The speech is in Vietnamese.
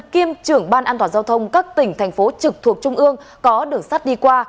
kiêm trưởng ban an toàn giao thông các tỉnh thành phố trực thuộc trung ương có đường sắt đi qua